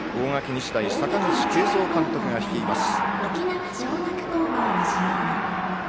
日大は阪口慶三監督が率います。